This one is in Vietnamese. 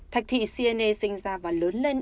thạch thị siene sinh ra và lớn lên